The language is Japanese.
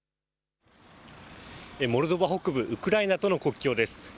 モルドバ北部ウクライナとの国境です。